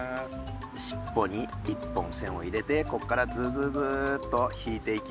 しっぽに１本線を入れてこっからズズズッと引いていきます。